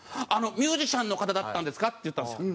「ミュージシャンの方だったんですか？」って言ったんですよ。